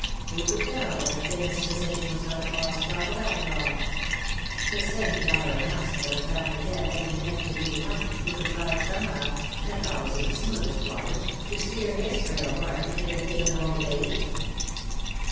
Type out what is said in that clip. Who could tell that the famous physician was not a false prophet^ after all ? The same dire announce ment of untimely death had been made to Leigh Hunt^ who contrived somehow — not always in the smoothest waters — to steer his frail bark into the haven of old age.